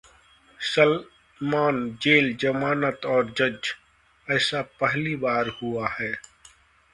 Salman, jail, जमानत और जज, ऐसा पहली बार हुआ है...